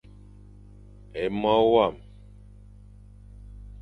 É mo wam.